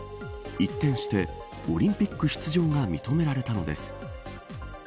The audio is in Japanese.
一転してオリンピック出場が認められたのです。